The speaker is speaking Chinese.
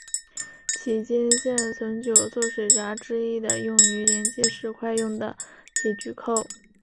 迄今现存九座水闸之一的用于连接石块用的铁锔扣。